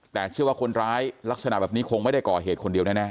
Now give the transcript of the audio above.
แต่เชื่อว่าคนร้ายลักษณะแบบนี้คงไม่ได้ก่อเหตุคนเดียวแน่